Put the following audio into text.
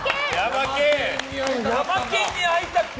ヤマケンに会いたくて。